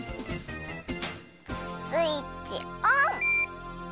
スイッチオン！